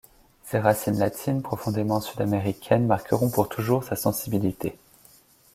Ses racines latines, profondément sud-américaines marqueront pour toujours sa sensibilité.